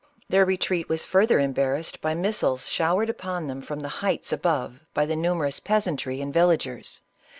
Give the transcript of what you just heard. Their retreat was further embarrassed by missiles showered upon them from the heights above by the numerous peasantry and villa gers.